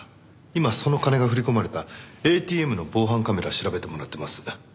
今その金が振り込まれたＡＴＭの防犯カメラ調べてもらってます。